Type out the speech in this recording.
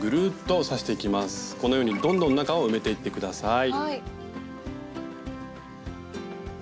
このようにどんどん中を埋めていって下さい。